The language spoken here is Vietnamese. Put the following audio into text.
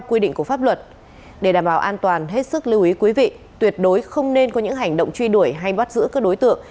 quý vị tuyệt đối không nên có những hành động truy đuổi hay bắt giữ các đối tượng